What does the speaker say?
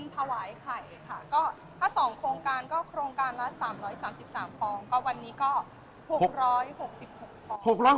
ถ้าส่องโครงการก็โครงการละ๓๓๓ฟอง